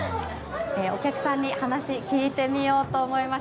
お客さんに話を聞いてみようと思います。